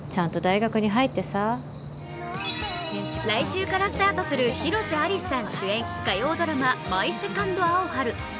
来週からスタートする広瀬アリスさん主演、火曜ドラマ「マイ・セカンド・アオハル」。